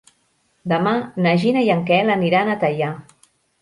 Demà na Gina i en Quel aniran a Teià.